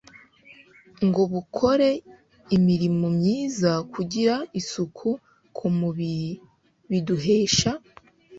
ngo bukore imirimo myiza Kugira isuku ku mubiri biduhesha